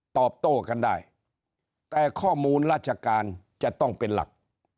ตอบโต้กันได้แต่ข้อมูลราชการจะต้องเป็นหลัก